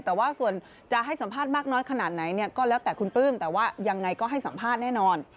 แต่ว่าส่วนจะให้สัมภาษณ์มากน้อยขนาดไหนเนี่ยก็แล้วแต่คุณปลื้มแต่ว่ายังไงก็ให้สัมภาษณ์แน่นอน